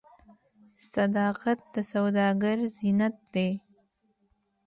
صداقت د سوداګر زینت دی.